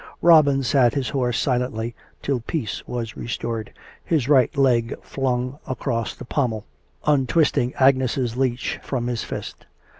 Robin sat his horse silently till peace was resrtored, his right leg flung across the pommel, untwisting Agnes' leash from his fist.